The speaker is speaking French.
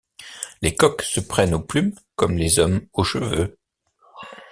Les coqs se prennent aux plumes comme les hommes aux cheveux.